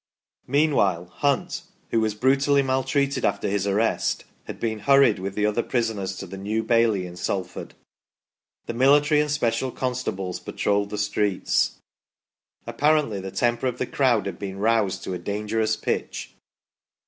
Meanwhile, Hunt, who was brutally maltreated after his arrest, had been hurried with the other prisoners to the New Bailey in Sal ford. The military and special constables patrolled the streets. Ap parently the temper of the crowd had been roused to a dangerous pitch.